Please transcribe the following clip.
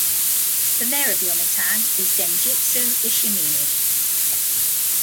The mayor of Yomitan is Denjitsu Ishimine.